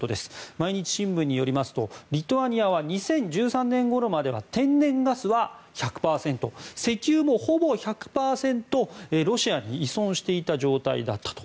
毎日新聞によりますとリトアニアは２０１３年ごろまでは天然ガスは１００％石油もほぼ１００％ロシアに依存していた状態だったと。